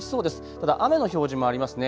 ただ雨の表示もありますね。